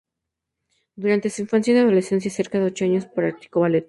Durante su infancia y adolescencia, cerca de ocho años, practicó ballet.